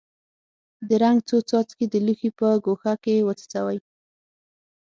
د رنګ څو څاڅکي د لوښي په ګوښه کې وڅڅوئ.